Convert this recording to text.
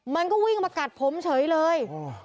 มันก็วิ่งมากัดผมเฉยเลย